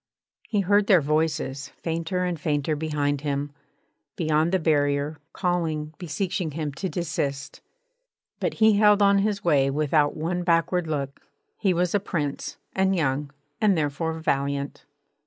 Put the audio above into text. He heard their voices, fainter and fainter behind him, beyond the barrier, calling, beseeching him to desist. But he held on his way without one backward look. He was a Prince, and young, and therefore valiant.